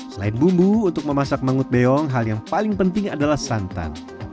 selain bumbu untuk memasak mangut beong hal yang paling penting adalah santan